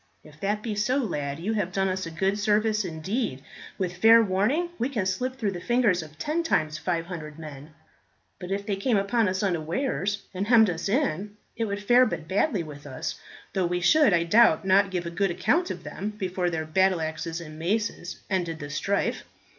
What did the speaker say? "If that be so, lad, you have done us good service indeed. With fair warning we can slip through the fingers of ten times 500 men, but if they came upon us unawares, and hemmed us in it would fare but badly with us, though we should, I doubt not give a good account of them before their battle axes and maces ended the strife.